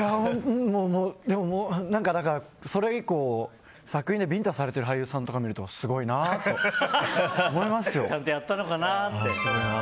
でも、それ以降作品でビンタされてる俳優さんとか見るとすごいなあって思いますよ。